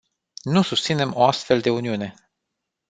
Nu susținem o astfel de uniune.